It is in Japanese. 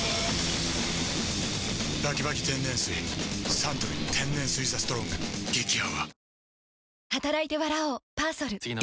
サントリー天然水「ＴＨＥＳＴＲＯＮＧ」激泡